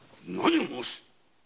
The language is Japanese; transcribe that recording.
何を申す。